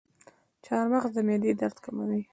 چارمغز د معدې درد کموي.